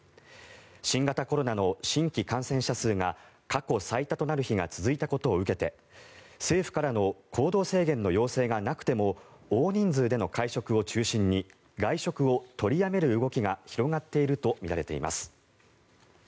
新型コロナの新規感染者数が過去最多となる日が続いたことを受けて政府からの行動制限の要請がなくても大人数での会食を中心に外食を取りやめる動きが広がっているとみられています。